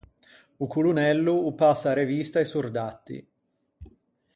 O colonello o passa à revista i sordatti.